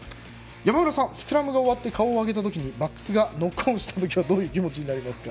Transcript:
山村さん、スクラムが終わって顔を上げた時にバックスがノックオンした時にどういう気持ちになりますか？